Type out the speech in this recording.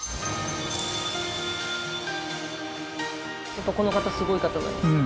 やっぱこの方すごい方なんですか？